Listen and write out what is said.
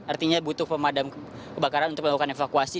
artinya butuh pemadam kebakaran untuk melakukan evakuasi